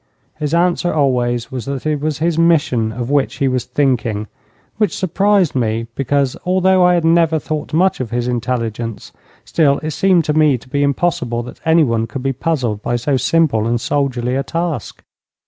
His answer always was that it was his mission of which he was thinking, which surprised me, because, although I had never thought much of his intelligence, still it seemed to me to be impossible that anyone could be puzzled by so simple and soldierly a task.